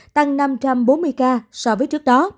tăng năm trăm bốn mươi ca so với trước đó